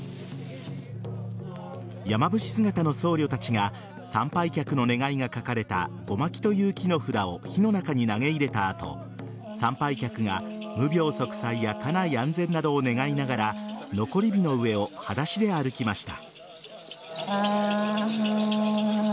山伏姿の僧侶たちが参拝客の願いが書かれた護摩木という木の札を火の中に投げ入れた後参拝客が無病息災や家内安全などを願いながら残り火の上をはだしで歩きました。